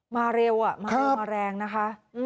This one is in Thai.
มาเร็วมาเร็วมาแรงนะคะ